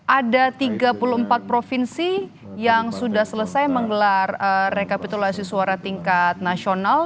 ada tiga puluh empat provinsi yang sudah selesai menggelar rekapitulasi suara tingkat nasional